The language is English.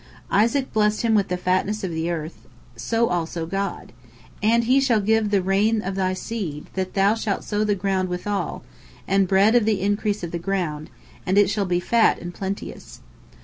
Isaac blessed him with the fatness of the earth, so also God: "And he shall give the rain of thy seed, that thou shalt sow the ground withal; and bread of the increase of the ground, and it shall be fat and plenteous."